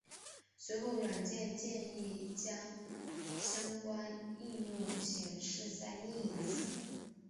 随后软件建议将相关应用显示在另一侧。